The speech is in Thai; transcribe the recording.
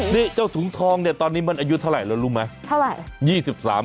นี่เจ้าถุงทองเนี่ยตอนนี้มันอายุเท่าไหร่แล้วรู้ไหมเท่าไหร่